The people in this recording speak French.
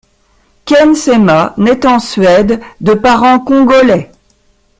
Ken Sema naît en Suède de parents congolais.